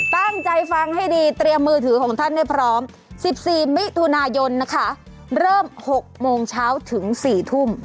ตั้งใจฟังให้ดีเตรียมมือถือของท่านให้พร้อม๑๔มิถุนายนนะคะเริ่ม๖โมงเช้าถึง๔ทุ่ม